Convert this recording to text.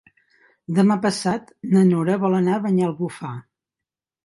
Demà passat na Nora vol anar a Banyalbufar.